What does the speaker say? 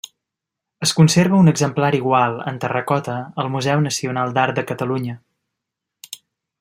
Es conserva un exemplar igual en terracota al Museu Nacional d'Art de Catalunya.